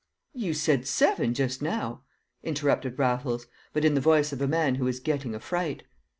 "You said 'seven' just now," interrupted Raffles, but in the voice of a man who was getting a fright.